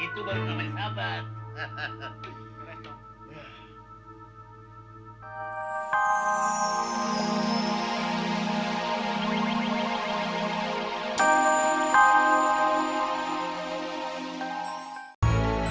itu baru namanya sahabat